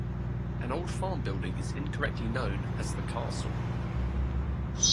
An old farm building is incorrectly known as the castle.